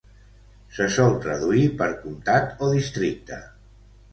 Se sol traduir per "comtat" o "districte".